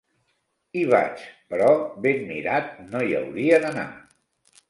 Hi vaig, però ben mirat no hi hauria d'anar.